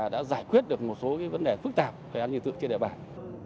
đã giải quyết được một số cái vấn đề phức tạp về nhân dân trên địa bàn